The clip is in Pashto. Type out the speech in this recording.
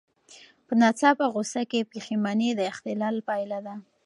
په ناڅاپه غوسه کې پښېماني د اختلال پایله ده.